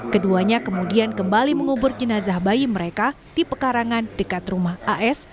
keduanya kemudian kembali mengubur jenazah bayi mereka di pekarangan dekat rumah as